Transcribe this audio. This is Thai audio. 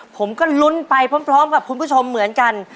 ผมก็ลุ้นไปพร้อมกับคุณผู้ชมเหมือนกัน